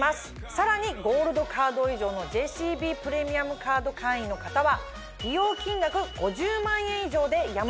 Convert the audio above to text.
さらにゴールドカード以上のＪＣＢプレミアムカード会員の方は。